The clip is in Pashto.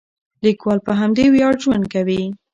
لیکوال په همدې ویاړ ژوند کوي.